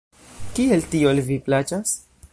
Kiel tio al vi plaĉas?